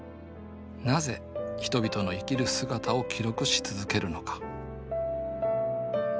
なぜ人々の生きる姿を記録し続けるのか？